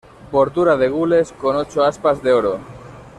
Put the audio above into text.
Bordura de gules con ocho aspas de oro.